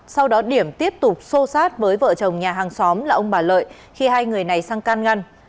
sau đó điểm tiếp tục xô sát với vợ chồng nhà hàng xóm là ông bà lợi khi hai người này sang can ngăn